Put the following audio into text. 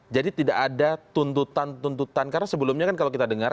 jadi tidak ada tuntutan tuntutan karena sebelumnya kan kalau kita dengar